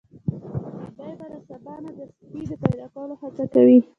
چې دی به له سبا نه د سپي د پیدا کولو هڅه کوي.